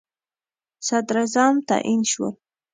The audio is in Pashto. صدراعظم تعیین شول.